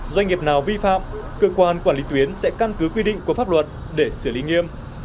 doanh nghiệp nào vi phạm cơ quan quản lý tuyến sẽ căn cứ quy định của pháp luật để xử lý nghiêm